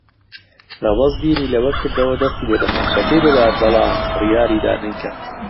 ڕەوەز بیری لەوە کردەوە دەستی بۆ دەمانچەکەی ببات، بەڵام بڕیاری دا نەیکات.